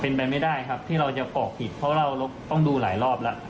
เป็นไปไม่ได้ครับที่เราจะกรอกผิดเพราะเราต้องดูหลายรอบแล้ว